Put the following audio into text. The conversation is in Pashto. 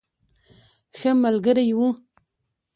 ښه ملګری وو.